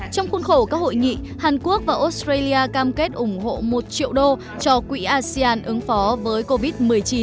trong khuôn khổ các hội nghị hàn quốc và australia cam kết ủng hộ một triệu đô cho quỹ asean ứng phó với covid một mươi chín